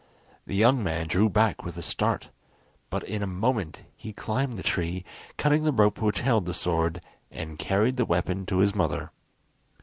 The young man drew back with a start; but in a moment he climbed the tree, cutting the rope which held the sword, and carried the weapon to his mother.